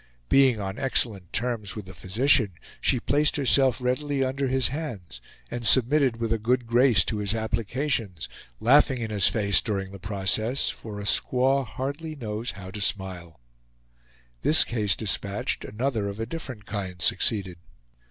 Being on excellent terms with the physician, she placed herself readily under his hands, and submitted with a good grace to his applications, laughing in his face during the whole process, for a squaw hardly knows how to smile. This case dispatched, another of a different kind succeeded.